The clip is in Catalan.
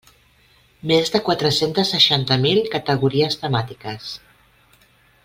Més de quatre-centes seixanta mil categories temàtiques.